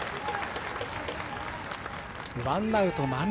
ワンアウト、満塁。